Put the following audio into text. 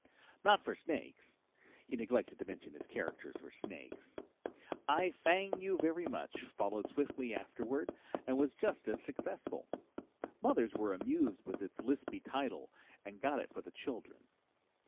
"Not for snakes. He neglected to mention his characters were snakes. I Fang You Very Much followed swiftly afterward and was just as successful. Mothers were amused with its lispy title and got it for the children."